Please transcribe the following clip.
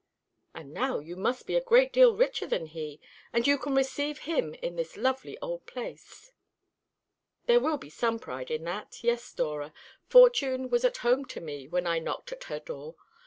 "And now you must be a great deal richer than he, and you can receive him in this lovely old place." "There will be some pride in that. Yes, Dora, Fortune was at home to me when I knocked at her door.